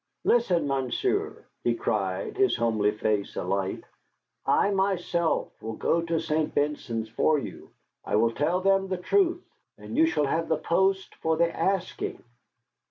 Listen, monsieur," he cried, his homely face alight; "I myself will go to Saint Vincennes for you. I will tell them the truth, and you shall have the post for the asking."